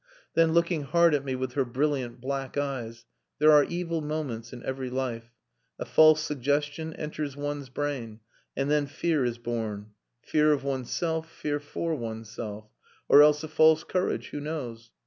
Then, looking hard at me with her brilliant black eyes "There are evil moments in every life. A false suggestion enters one's brain, and then fear is born fear of oneself, fear for oneself. Or else a false courage who knows?